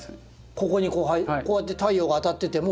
ここにこうやって太陽が当たってても。